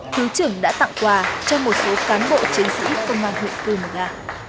thứ trưởng đã tặng quà cho một số cán bộ chiến sĩ công an huyện cư mờ ga